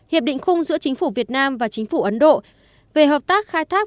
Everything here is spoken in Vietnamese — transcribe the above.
hiệp định khung giữa chính phủ việt nam và chính phủ ấn độ về hợp tác khai thác